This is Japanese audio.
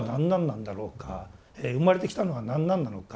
生まれてきたのは何なんなのか？